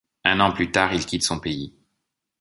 Un an plus tard, il quitte son pays.